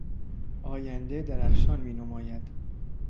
آینده درخشان مینماید.